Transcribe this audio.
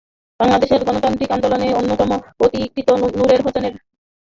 বাংলাদেশের গণতান্ত্রিক আন্দোলনের অন্যতম পথিকৃৎ নূর হোসেন ছিলেন যুবলীগের একজন সক্রিয় কর্মী।